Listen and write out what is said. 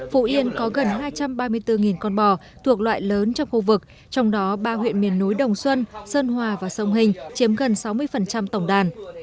phú yên có gần hai trăm ba mươi bốn con bò thuộc loại lớn trong khu vực trong đó ba huyện miền núi đồng xuân sơn hòa và sông hình chiếm gần sáu mươi tổng đàn